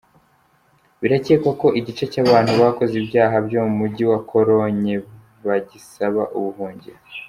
Birakekwa ko igice cy'abantu bakoze ibyaha byo mu mujyi wa Cologne bagisaba ubuhungiro.